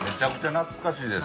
懐かしいです。